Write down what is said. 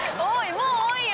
もう多いよ